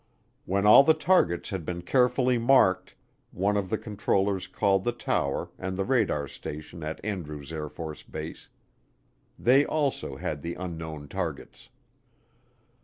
When all the targets had been carefully marked, one of the controllers called the tower and the radar station at Andrews AFB they also had the unknown targets.